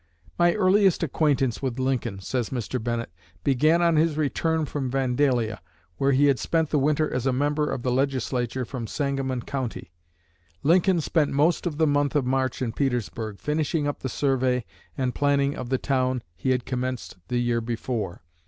"My earliest acquaintance with Lincoln," says Mr. Bennett, "began on his return from Vandalia, where he had spent the winter as a member of the Legislature from Sangamon County. Lincoln spent most of the month of March in Petersburg, finishing up the survey and planning of the town he had commenced the year before.